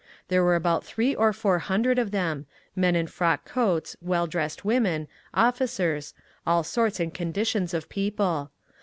There were about three or four hundred of them, men in frock coats, well dressed women, officers—all sorts and conditions of people.